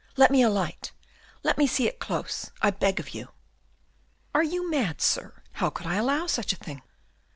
Let me alight, let me see it close, I beg of you." "Are you mad, Sir? How could I allow such a thing?"